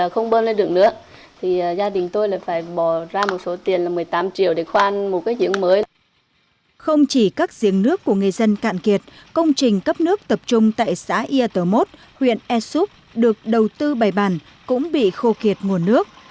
không chỉ các diễn nước của người dân cạn kiệt công trình cấp nước tập trung tại xã yà tờ mốt huyện e súp được đầu tư bày bàn cũng bị khô kiệt nguồn nước